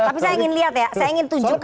tapi saya ingin lihat ya saya ingin tunjukkan